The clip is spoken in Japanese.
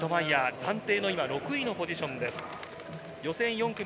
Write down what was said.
暫定６位のポジションです。